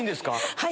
はい。